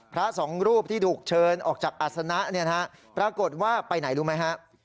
พระสองรูปที่ถูกเชิญออกจากอัศนะปรากฏว่าไปไหนรู้ไหมฮะ